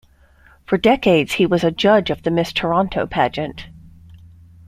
For decades, he was a judge of the Miss Toronto pageant.